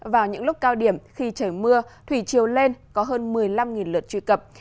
vào những lúc cao điểm khi trời mưa thủy chiều lên có hơn một mươi năm lượt truy cập